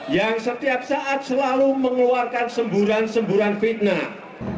yang setiap saat selalu mengeluarkan semburan semburan fitnah